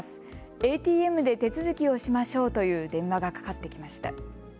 ＡＴＭで手続きをしましょうという電話がかかってきました。